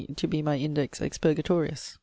to be my Index expurgatorius.